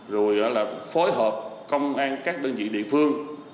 rồi là phối hợp công an các đơn vị địa phương